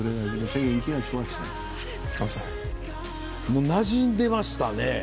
もうなじんでましたね。